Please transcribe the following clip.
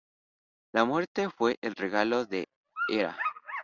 La muerte fue el regalo de Hera.